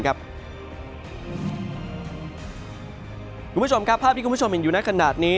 คุณผู้ชมครับภาพที่คุณผู้ชมเห็นอยู่ในขณะนี้